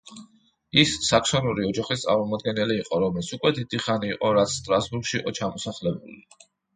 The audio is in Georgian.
ის საქსონური ოჯახის წარმომადგენელი იყო, რომელიც უკვე დიდი ხანი იყო, რაც სტრასბურგში იყო ჩამოსახლებული.